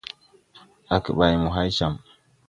Age ɓay mo hay jam.